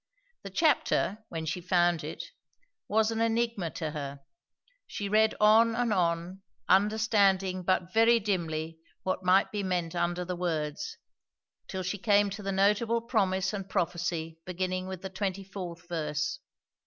The chapter, when she found it, was an enigma to her. She read on and on, understanding but very dimly what might be meant under the words; till she came to the notable promise and prophecy beginning with the twenty fourth verse.